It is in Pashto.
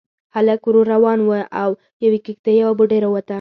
هلک ورو روان شو، له يوې کېږدۍ يوه بوډۍ راووته.